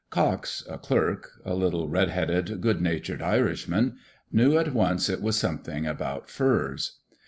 Cox, a clerk — a little, red headed, good natured Irishman — knew at once it was something about furs.